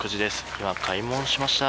今、開門しました。